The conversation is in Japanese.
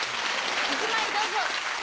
１枚どうぞ。